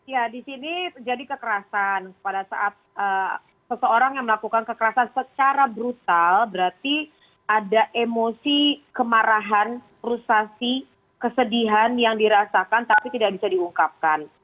ya di sini jadi kekerasan pada saat seseorang yang melakukan kekerasan secara brutal berarti ada emosi kemarahan frustasi kesedihan yang dirasakan tapi tidak bisa diungkapkan